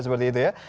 seperti itu ya